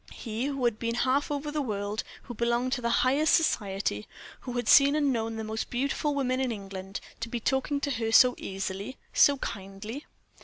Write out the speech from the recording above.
He, who had been half over the world, who belonged to the highest society, who had seen and known the most beautiful women in England, to be talking to her so easily, so kindly.